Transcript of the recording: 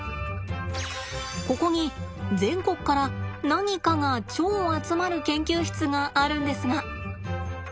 ここに全国から「何か」が超集まる研究室があるんですが。